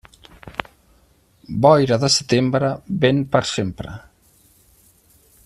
Boira de setembre, vent per sempre.